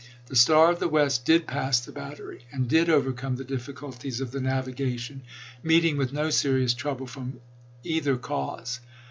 .. The Star of the West did pass the battery and did overcome the difficulties of the navigation, meeting with no serious trouble from either cause.